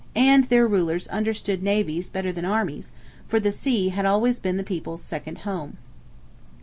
And their rulers understood navies better than armies, for the sea had always been the people's second home.